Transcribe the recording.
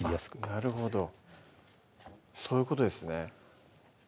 なるほどそういうことですね